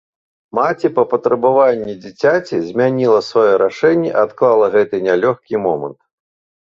Маці па патрабаванні дзіцяці, змяніла сваё рашэнне і адклала гэты нялёгкі момант.